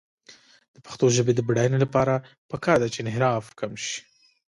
د پښتو ژبې د بډاینې لپاره پکار ده چې انحراف کم شي.